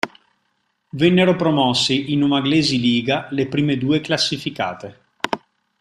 Vennero promosse in Umaglesi Liga le prime due classificate.